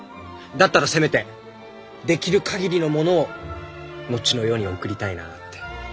だったらせめてできる限りのものを後の世に送りたいなって。